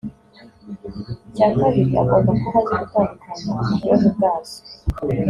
icya kabiri agomba kuba azi gutandukanya uburyohe bwazo